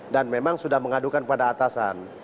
dan memang sudah mengadukan pada atasan